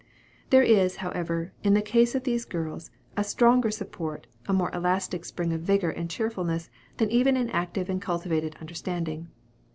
There is, however, in the case of these girls, a stronger support, a more elastic spring of vigor and cheerfulness than even an active and cultivated understanding.